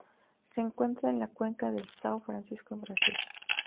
Se encuentra en la cuenca del São Francisco en Brasil.